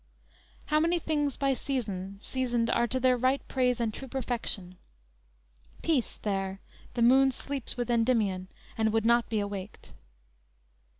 How many things by season, seasoned are To their right praise and true perfection! Peace, there, the moon sleeps with Endymion And would not be awaked."